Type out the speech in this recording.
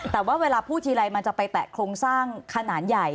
แต่ว่าเวลาพูดทีไรมันจะไปแตะโครงสร้างขนาดใหญ่